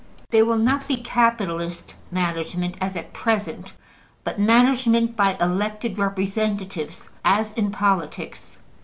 There will not be capitalist management, as at present, but management by elected representatives, as in politics.